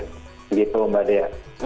begitu mbak dea